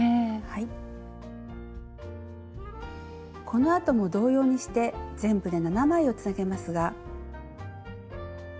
このあとも同様にして全部で７枚をつなげますが。